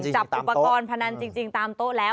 จับอุปกรณ์พนันจริงตามโต๊ะแล้ว